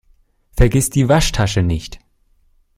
Vergiss die Waschtasche nicht!